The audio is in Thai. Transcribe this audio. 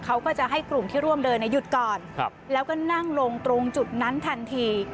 เขาก็จะให้กลุ่มที่ร่วมเดินหยุดก่อนแล้วก็นั่งลงตรงจุดนั้นทันที